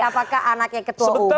apakah anaknya ketua umum atau